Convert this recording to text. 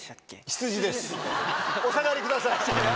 お下がりください。